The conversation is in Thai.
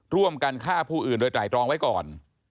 ร่วมกันฆ่าผู้อื่นโดยไตรรองไว้ก่อน